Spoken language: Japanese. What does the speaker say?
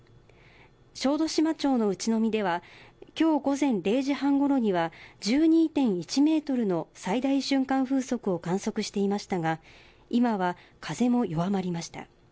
小豆島町の内海ではきょう午前０時半ごろには１２．１メートルの最大瞬間風速を観測していましたが今は風も弱まりました。